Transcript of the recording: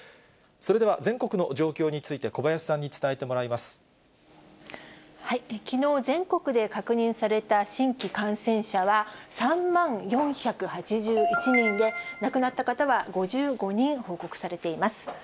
それでは、全国の状況について、きのう、全国で確認された新規感染者は、３万４８１人で、亡くなった方は５５人報告されています。